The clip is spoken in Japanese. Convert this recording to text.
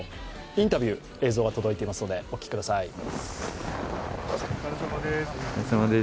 インタビュー、映像が届いていますので、お聞きください。